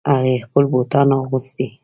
هغې خپلې بوټان اغوستې